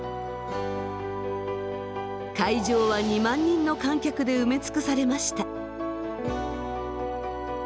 会場は２万人の観客で埋め尽くされました。